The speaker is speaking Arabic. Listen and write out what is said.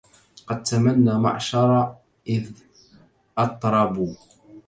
قد تمنى معشر إذ أطربوا